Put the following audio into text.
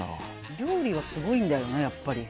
料理はすごいんだよなやっぱり。